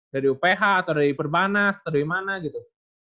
dari uph atau dari perbanas atau dari mana gitu